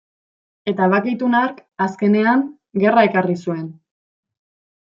Eta bake itun hark, azkenean, gerra ekarri zuen.